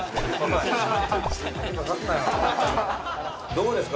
どうですか？